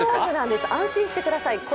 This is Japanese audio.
安心してください。